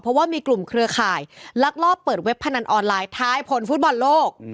เพราะว่ามีกลุ่มเครือข่ายลักลอบเปิดเว็บพนันออนไลน์ท้ายผลฟุตบอลโลก